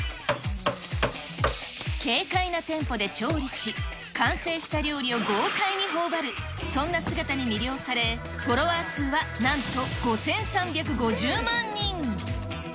軽快なテンポで調理し、完成した料理を豪快にほおばる、そんな姿に魅了され、フォロワー数はなんと５３５０万人。